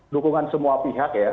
dukungan semua pihak ya